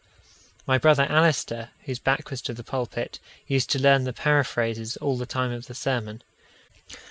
My brother Allister, whose back was to the pulpit, used to learn the paraphrases all the time of the sermon.